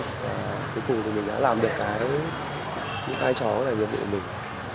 và cuối cùng thì mình đã làm được cái hai chó là nhiệm vụ của mình